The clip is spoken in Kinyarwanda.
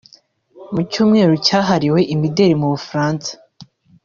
Mu cyumweru cyahariwe imideli mu Bufaransa